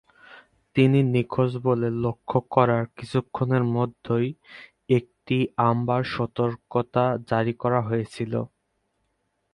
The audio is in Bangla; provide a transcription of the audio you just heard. তিনি নিখোঁজ বলে লক্ষ্য করার কিছুক্ষণের মধ্যেই একটি অ্যাম্বার সতর্কতা জারি করা হয়েছিল।